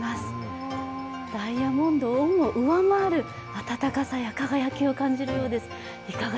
ダイヤモンドをも上回る暖かさや輝きを感じるようです。